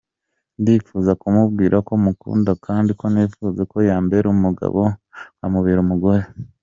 Ndifuza kumubwira ko mukunda kandi ko nifuza ko yambera umugabo nkamubera umugore.